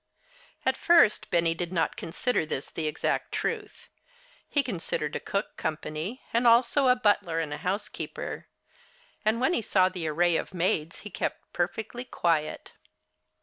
At first Benny did not consider this the exact truth. He considered a cook company, and also a butler, and a housekeeper. And when he saw the array of maids he kept perfectly quiet.